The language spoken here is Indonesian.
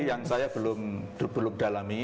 yang saya belum dalami